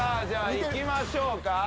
じゃあいきましょうか。